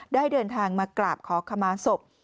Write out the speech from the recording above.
ได้เดินทางมากราบขอขมาศพ